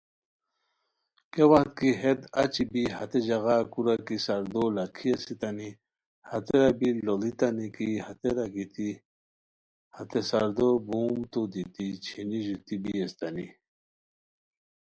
کیہ وت کی ہیت اچی بی ہتے ژاغہ کورا کی ساردو لکھی اسیتانی، ہتیرا بی لوڑیتانی کی، کا ہتیرا گیتی ہتے ساردو بوم تو دیتی چھینی ژوتی بی اسیتانی